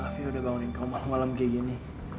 maaf ya udah bangunin kamu malam malam kayak gini